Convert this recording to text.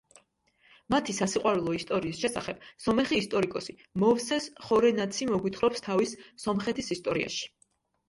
მათი სასიყვარულო ისტორიის შესახებ სომეხი ისტორიკოსი მოვსეს ხორენაცი მოგვითხრობს თავის „სომხეთის ისტორიაში“.